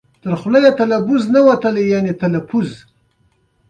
پدې مرحله کې د بکټریاوو شمېر په چټکۍ کمیږي.